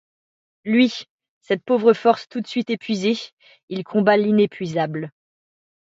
Lui, cette pauvre force tout de suite épuisée, il combat l’inépuisable.